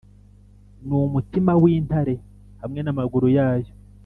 numutima wintare, hamwe namaguru yayo